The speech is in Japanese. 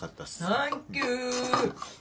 サンキュー！